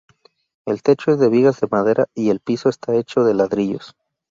El techo es de vigas de madera y el piso esta hecho de ladrillos.